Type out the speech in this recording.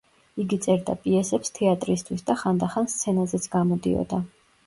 იგი წერდა პიესებს თეატრისთვის და ხანდახან სცენაზეც გამოდიოდა.